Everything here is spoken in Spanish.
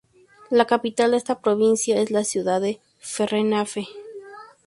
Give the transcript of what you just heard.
La capital de esta provincia es la ciudad de Ferreñafe.